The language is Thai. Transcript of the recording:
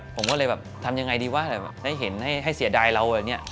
ผมก็เลยแบบทำยังไงดีวะได้เห็นให้เสียดายเราแบบนี้